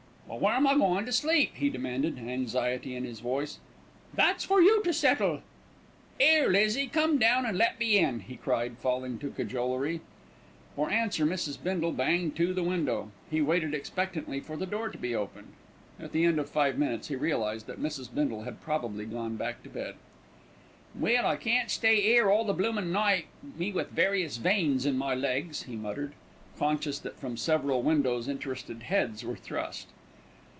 "But where'm I goin' to sleep?" he demanded, anxiety in his voice. "That's for you to settle." "'Ere, Lizzie, come down an' let me in," he cried, falling to cajolery. For answer Mrs. Bindle banged to the window. He waited expectantly for the door to be opened. At the end of five minutes he realised that Mrs. Bindle had probably gone back to bed. "Well, I can't stay 'ere all the bloomin' night, me with various veins in my legs," he muttered, conscious that from several windows interested heads were thrust.